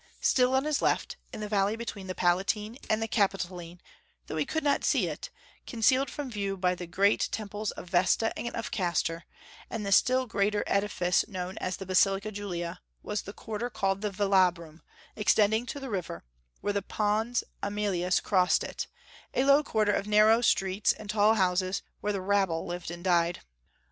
Still on his left, in the valley between the Palatine and the Capitoline, though he could not see it, concealed from view by the great Temples of Vesta and of Castor, and the still greater edifice known as the Basilica Julia, was the quarter called the Velabrum, extending to the river, where the Pons Aemilius crossed it, a low quarter of narrow streets and tall houses where the rabble lived and died.